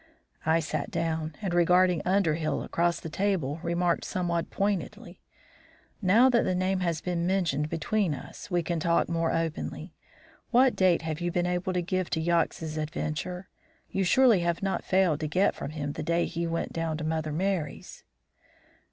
I sat down and, regarding Underhill across the table, remarked somewhat pointedly: "Now that the name has been mentioned between us, we can talk more openly. What date have you been able to give to Yox's adventure? You surely have not failed to get from him the day he went down to Mother Merry's?"